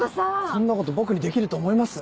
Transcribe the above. そんなこと僕にできると思います？